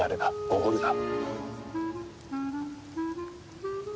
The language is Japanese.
おごるな。